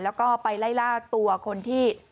แล้วก็ไปไล่ล่าตัวคนที่